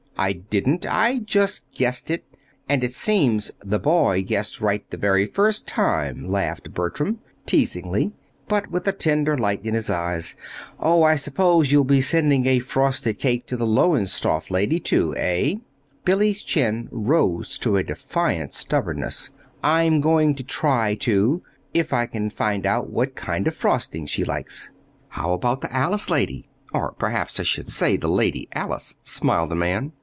"I didn't. I just guessed it and it seems 'the boy guessed right the very first time,'" laughed Bertram, teasingly, but with a tender light in his eyes. "Oh, and I suppose you'll be sending a frosted cake to the Lowestoft lady, too, eh?" Billy's chin rose to a defiant stubbornness. "I'm going to try to if I can find out what kind of frosting she likes." "How about the Alice lady or perhaps I should say, the Lady Alice?" smiled the man.